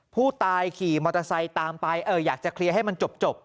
ผู้ตายขี่มอเตอร์ไซค์ตามไปอยากจะเคลียร์ให้มันจบ